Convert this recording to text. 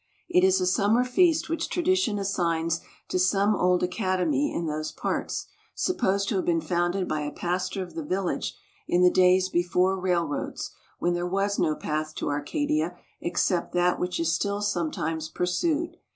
It is a summer feast which tradition assigns to some old academy in those parts, supposed to have been founded by a pastor of the village in the days before railroads, when there was no path to Arcadia except that which is still sometimes pursued.